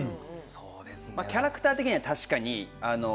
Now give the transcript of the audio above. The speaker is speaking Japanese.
キャラクター的には確かに。